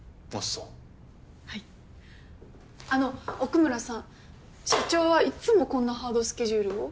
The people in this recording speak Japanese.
そうはいあの奥村さん社長はいつもこんなハードスケジュールを？